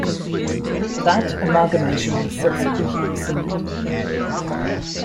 That amalgamation was subsequently rescinded.